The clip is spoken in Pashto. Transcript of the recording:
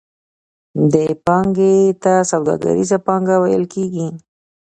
دې پانګې ته سوداګریزه پانګه ویل کېږي